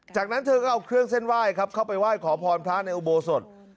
จากนั้นเธอก็เอาเครื่องเส้นไหว้ครับเข้าไปไหว้ขอพรพระในอุโบสถ